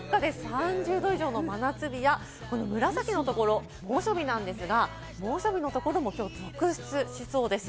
３０度以上の真夏日や、紫のところ猛暑日なんですが、猛暑日のところもきょう続出しそうです。